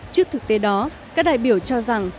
trước thực tế đó các đại biểu cho rằng